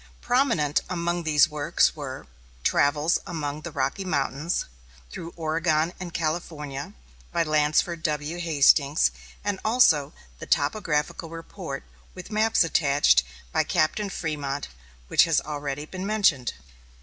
Prominent among these works were "Travels Among the Rocky Mountains, Through Oregon and California," by Lansford W. Hastings, and also the "Topographical Report, with Maps Attached," by Captain Frémont, which has been already mentioned.